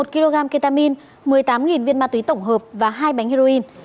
một kg ketamin một mươi tám viên ma túy tổng hợp và hai bánh heroin